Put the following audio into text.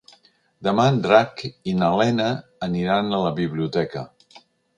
Demà en Drac i na Lena aniran a la biblioteca.